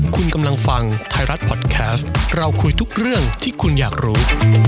คุณกำลังฟังไทยรัฐพอดแคสต์เราคุยทุกเรื่องที่คุณอยากรู้